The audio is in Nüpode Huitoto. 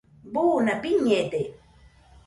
buna biñede